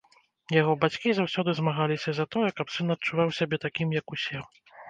Яго бацькі заўсёды змагаліся за тое, каб сын адчуваў сябе такім, як усе.